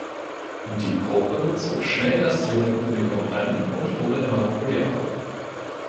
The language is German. Die Gruppe zog schnell das junge Publikum an und wurde immer populärer.